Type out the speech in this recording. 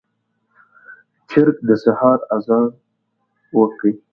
چرګ د سحر اذان وکړ.